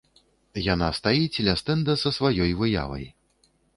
Яна стаіць ля стэнда са сваёй выявай.